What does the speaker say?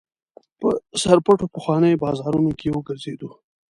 په سرپټو پخوانیو بازارونو کې وګرځېدو.